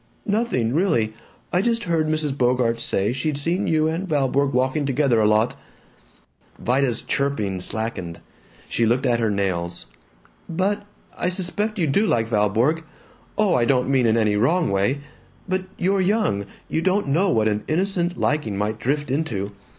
"Nothing, really. I just heard Mrs. Bogart say she'd seen you and Valborg walking together a lot." Vida's chirping slackened. She looked at her nails. "But I suspect you do like Valborg. Oh, I don't mean in any wrong way. But you're young; you don't know what an innocent liking might drift into.